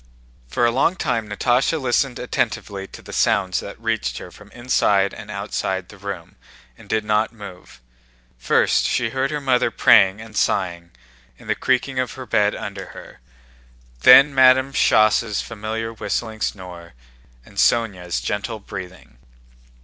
For a long time Natásha listened attentively to the sounds that reached her from inside and outside the room and did not move. First she heard her mother praying and sighing and the creaking of her bed under her, then Madame Schoss' familiar whistling snore and Sónya's gentle breathing.